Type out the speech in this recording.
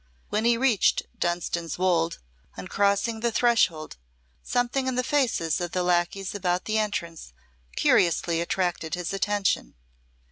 When he reached Dunstan's Wolde, on crossing the threshold, something in the faces of the lacqueys about the entrance curiously attracted his attention.